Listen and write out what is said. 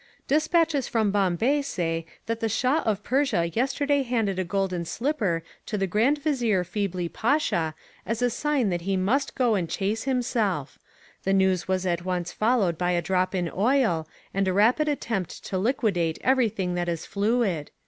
"Despatches from Bombay say that the Shah of Persia yesterday handed a golden slipper to the Grand Vizier Feebli Pasha as a sign that he might go and chase himself: the news was at once followed by a drop in oil, and a rapid attempt to liquidate everything that is fluid..."